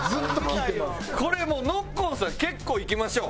これもうノッコンさん結構いきましょう。